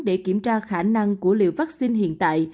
để kiểm tra khả năng của liệu vaccine hiện ra